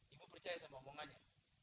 ibu percaya sama omongannya